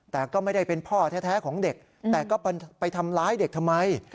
แต่ก็ไม่ได้เป็นพ่อแท้ของเด็กแต่ก็ไปทำร้ายเด็กทำไม